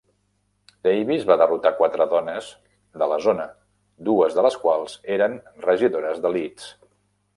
Davies va derrotar quatre dones de la zona, dues de les quals eren regidores de Leeds.